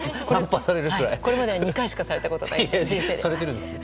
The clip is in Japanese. これまで２回しかされたことない人生で。